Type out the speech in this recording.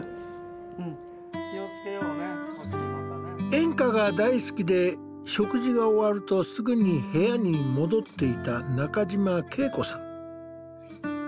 演歌が大好きで食事が終わるとすぐに部屋に戻っていた中嶋圭子さん。